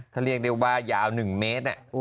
ถ้าเรียกได้ว่ายาว๑เมตร